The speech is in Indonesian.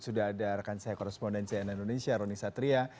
sudah ada rekan saya korespondensi nn indonesia roni satria